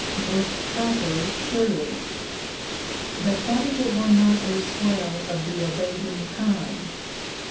Most proper, surely. But what if it were not a swell of the abating kind?